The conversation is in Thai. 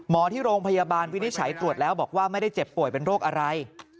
ที่โรงพยาบาลวินิจฉัยตรวจแล้วบอกว่าไม่ได้เจ็บป่วยเป็นโรคอะไร